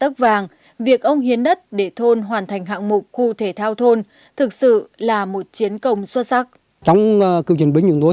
nên việc ông hiến đất chỉ là góp một phần nhỏ đưa cuộc cách mạng đi đến thắng lợi